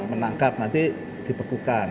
menangkap nanti dibekukan